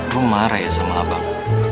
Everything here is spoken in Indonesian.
gue marah ya sama abang